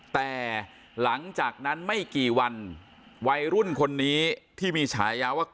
แต่หลังจากนั้นไม่กี่วันวัยรุ่นคนนี้ที่มีฉายาว่า